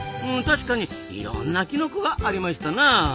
たしかにいろんなきのこがありましたなあ！